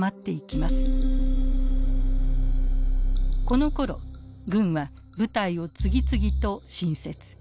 このころ軍は部隊を次々と新設。